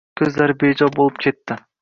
Ko‘zlari bejo bo‘lib ketdi